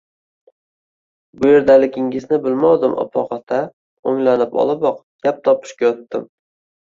– Bu yerdaligingizni bilmovdim, opog‘ota, – o‘nglanib oliboq, gap to‘qishga o‘tdim